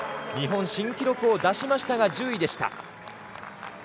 日本新記録を出しましたが１０位でした。